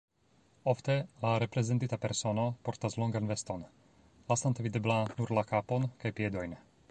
Ofte la reprezentita persono portas longan veston, lasante videbla nur la kapon kaj piedojn.